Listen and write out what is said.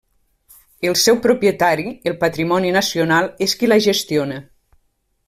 El seu propietari, el Patrimoni Nacional, és qui la gestiona.